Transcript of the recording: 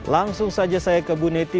langsung saja saya ke bu neti